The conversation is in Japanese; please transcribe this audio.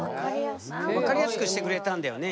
分かりやすくしてくれたんだよね